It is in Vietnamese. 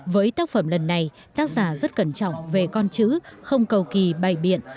với tác phẩm lần này tác giả rất cẩn trọng về con chữ không cầu kỳ bày biện